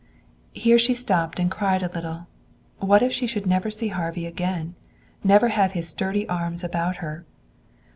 Here she stopped and cried a little. What if she should never see Harvey again never have his sturdy arms about her?